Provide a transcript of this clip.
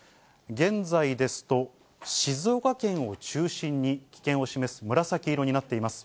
現在ですと、静岡県を中心に危険を示す紫色になっています。